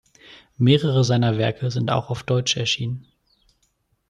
Mehrere seiner Werke sind auch auf Deutsch erschienen.